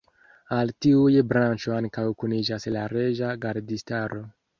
Al tiuj branĉo ankaŭ kuniĝas la Reĝa Gardistaro.